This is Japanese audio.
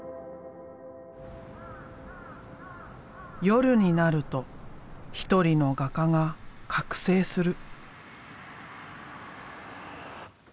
夜になると一人の画家が覚醒する。